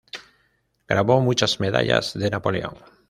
Grabó muchas medallas de Napoleón.